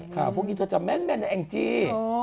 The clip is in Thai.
ค่ะพวกนี้จะจำนแม่นนะแองจี